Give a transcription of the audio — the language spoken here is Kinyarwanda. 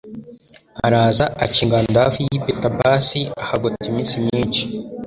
araza aca ingando hafi y'i betibasi ahagota iminsi myinshi